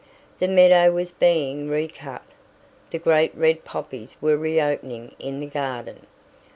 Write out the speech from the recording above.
The meadow was being recut, the great red poppies were reopening in the garden.